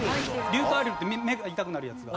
硫化アリルって目が痛くなるやつが。